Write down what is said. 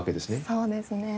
そうですね。